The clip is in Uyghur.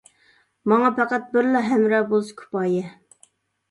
ماڭا پەقەت بىرلا ھەمراھ بولسا كۇپايە.